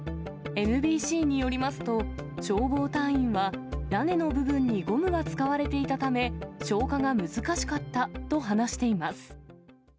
ＮＢＣによりますと、消防隊員は屋根の部分にゴムが使われていたため、消火が難しかったと話しています。